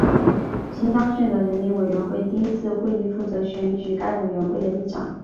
新当选的人民委员会第一次会议负责选举该委员会的议长。